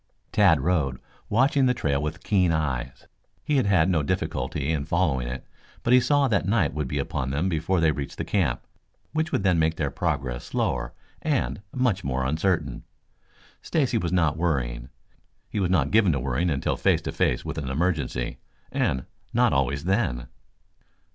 Tad rode watching the trail with keen eyes. He had no difficulty in following it, but he saw that night would be upon them before they reached the camp, which would then make their progress slower and much more uncertain. Stacy was not worrying. He was not given to worrying until face to face with an emergency and not always then.